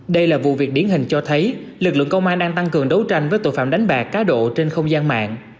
đây là vụ việc điển hình cho thấy lực lượng công an đang tăng cường đấu tranh với tội phạm đánh bạc cá độ trên không gian mạng